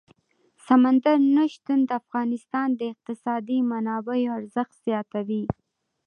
سمندر نه شتون د افغانستان د اقتصادي منابعو ارزښت زیاتوي.